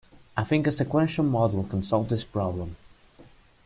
I think a sequential model can solve this problem.